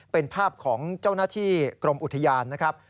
เป็นภาพของเจ้าหน้าที่กรมอุทยานนะครับ